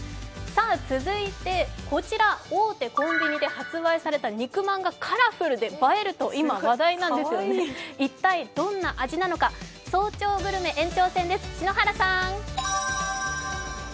続いてこちら大手コンビニで発売された肉まんがカラフルで映えると今話題なんですよね、一体どんな味なのか、「早朝グルメ」延長戦です、篠原さん。